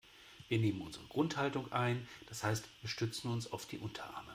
Wir nehmen unsere Grundhaltung ein, das heißt wir stützen uns auf die Unterarme.